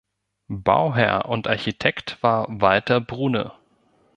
Bauherr und Architekt war Walter Brune.